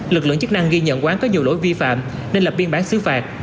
lực lượng chức năng ghi nhận quán có nhiều lỗi vi phạm nên lập biên bản xứ phạt